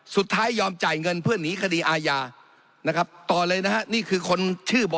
ยอมจ่ายเงินเพื่อหนีคดีอาญานะครับต่อเลยนะฮะนี่คือคนชื่อบ่อ